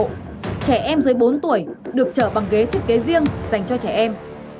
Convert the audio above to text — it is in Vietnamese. trẻ em dưới bốn tuổi được trở bằng ghế thiết kế riêng dành cho trẻ em